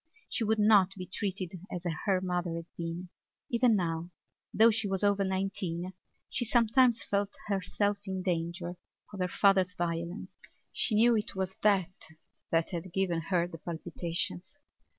She would not be treated as her mother had been. Even now, though she was over nineteen, she sometimes felt herself in danger of her father's violence. She knew it was that that had given her the palpitations.